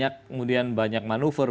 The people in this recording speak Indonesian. kemudian banyak manuver